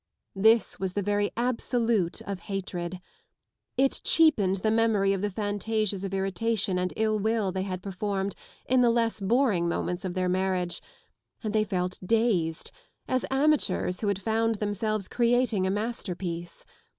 This was the very absolute of hatred. It cheapened the memory of the fantasias of irritation and ill=will they had performed in the less boring moments of their marriage, and they felt dazed, as amateurs who had found themselves creating a masterpiece.